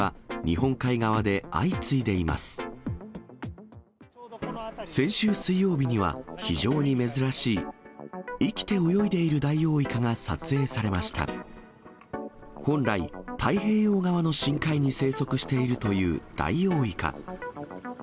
本来、太平洋側の深海に生息しているというダイオウイカ。